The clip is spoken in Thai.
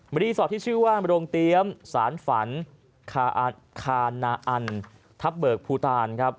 รีสอร์ทที่ชื่อว่าโรงเตรียมสารฝันคานาอันทับเบิกภูตานครับ